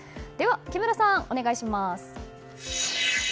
木村さん、お願いします！